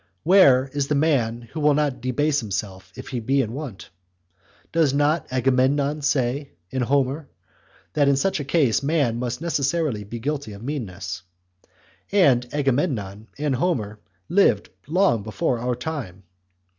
Where is the man who will not debase himself if he be in want? Does not Agamemnon say, in Homer, that in such a case man must necessarily be guilty of meanness? And Agamemnon and Homer lived long before our time!